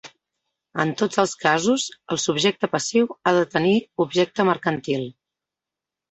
En tots els casos, el subjecte passiu ha de tenir objecte mercantil.